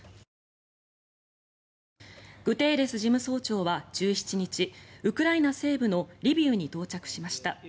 グテーレス事務総長は１７日ウクライナ西部のリビウに到着しました。